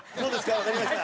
わかりました。